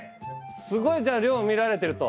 すごいじゃあ量見られてると？